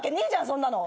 そんなの。